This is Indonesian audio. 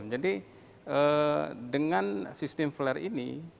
jadi dengan sistem flare ini